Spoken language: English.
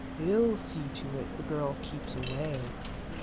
He'll see to it the girl keeps away.